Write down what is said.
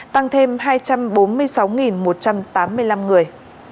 tăng thêm hai trăm bốn mươi sáu một trăm tám mươi năm người